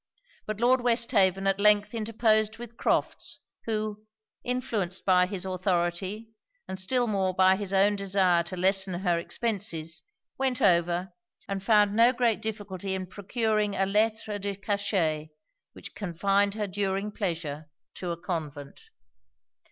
But Lord Westhaven at length interposed with Crofts, who, influenced by his authority, and still more by his own desire to lessen her expences, went over, and found no great difficulty in procuring a lettre de cachet, which confined her during pleasure to a convent.